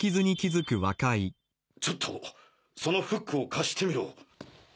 ちょっとそのフックを貸してみろ！